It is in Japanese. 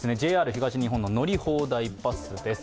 ＪＲ東日本の乗り放題パスです。